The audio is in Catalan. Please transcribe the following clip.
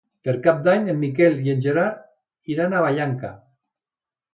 Per Cap d'Any en Miquel i en Gerard iran a Vallanca.